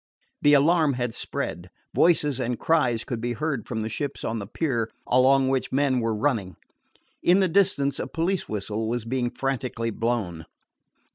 The alarm had spread. Voices and cries could be heard from the ships on the pier, along which men were running. In the distance a police whistle was being frantically blown.